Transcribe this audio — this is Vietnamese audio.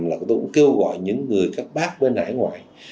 tôi cũng kêu gọi những người các bác bên hải ngoại